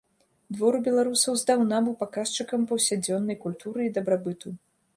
Двор у беларусаў здаўна быў паказчыкам паўсядзённай культуры і дабрабыту.